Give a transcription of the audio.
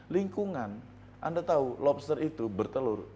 lingkungan anda tahu lobster itu bertelur